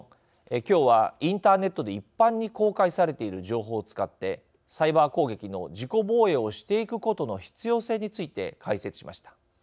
今日は、インターネットで一般に公開されている情報を使ってサイバー攻撃の自己防衛をしていくことの必要性について解説しました。